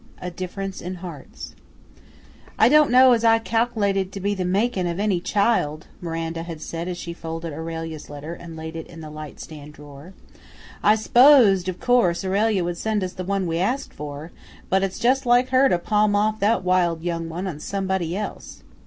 III A DIFFERENCE IN HEARTS "I don' know as I cal'lated to be the makin' of any child," Miranda had said as she folded Aurelia's letter and laid it in the light stand drawer. "I s'posed, of course, Aurelia would send us the one we asked for, but it's just like her to palm off that wild young one on somebody else."